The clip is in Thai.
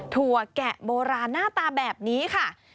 ถั่วแกะโบราณหน้าตาแบบนี้ค่ะ